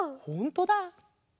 ほんとだ。